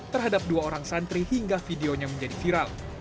terhadap dua orang santri hingga videonya menjadi viral